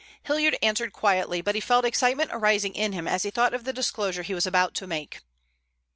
Hilliard answered quietly, but he felt excitement arising in him as he thought of the disclosure he was about to make.